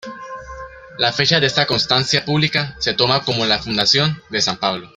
La fecha de esta constancia pública se toma como la fundación de San Pablo.